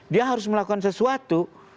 dia harus melakukan sesuatu